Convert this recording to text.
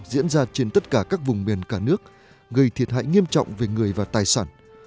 diễn ra trên tất cả các vùng miền cả nước gây thiệt hại nghiêm trọng về người và tài sản